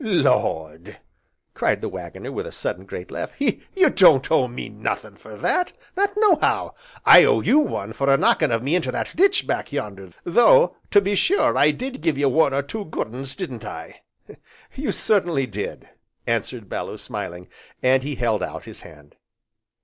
"Lord!" cried the Waggoner with a sudden, great laugh, "you don't owe me nothin' for that, not nohow, I owe you one for a knocking of me into that ditch, back yonder, though, to be sure, I did give ye one or two good 'uns, didn't I?" "You certainly did!" answered Bellew smiling, and he held out his hand.